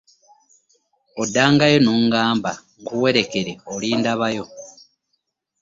Oddangayo n'oŋŋamba nkuwerekere olindabayo!